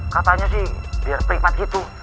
katanya sih biar penikmat gitu